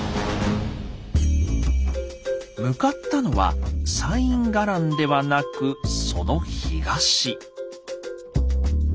向かったのは西院伽藍ではなくその東。